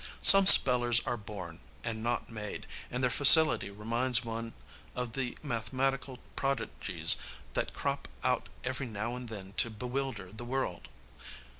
Some spellers are born, and not made, and their facility reminds one of the mathematical prodigies that crop out every now and then to bewilder the world.